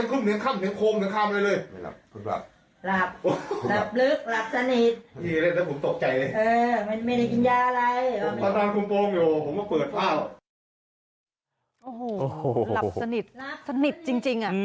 โอ้โฮหลับสนิทสนิทจริงอ่ะ